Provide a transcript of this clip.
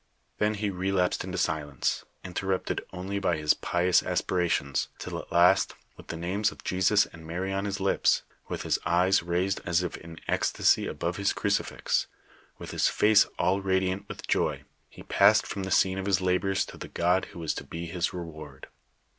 Then ho relapsed into silence, inter rupted only by his pions aspirations, till at last, with the names of Jesus and Mary on his lips, with his eyes raised aa if in ecstacy above his crucifix, with his face all radiant with joy, he passed from the scene of his labors to the God who was to be his reward.